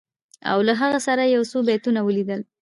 او له هغه سره یو څو بیتونه ولیدل